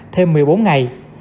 thêm một mươi bốn ngày